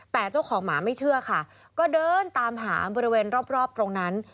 แต่เจ้าของหมาไม่เชื่อค่ะก็เดินตามหาบริเวณรอบตรงนั้น